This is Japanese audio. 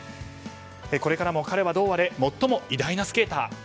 これからも彼はどうあれ最も偉大なスケーター。